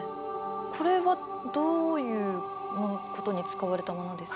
これはどういうことに使われたものですか？